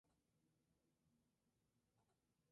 El primer secretario general fue Luis Martínez.